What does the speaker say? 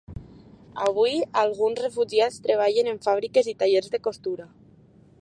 Avui, alguns refugiats treballen en fàbriques i tallers de costura.